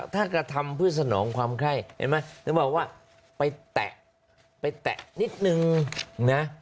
ถ้ากระทำเพื่อสนองความไข้เห็นไหมจะบอกว่าไปแตะไปแตะนิดนึงนะ